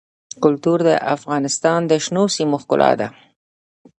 کلتور د افغانستان د شنو سیمو ښکلا ده.